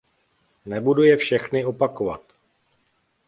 Nebudu je všechny opakovat.